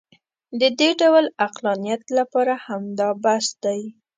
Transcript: د دې ډول عقلانیت لپاره همدا بس دی.